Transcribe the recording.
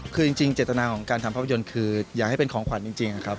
คือจริงเจตนาของการทำภาพยนตร์คืออยากให้เป็นของขวัญจริงนะครับ